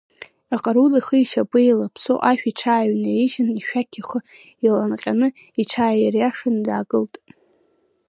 Аҟарул ихи ишьапи еилаԥсо ашә иҽааҩнаижьын, ишәақь ихы иланҟьаны, иҽааириашаны даагылт.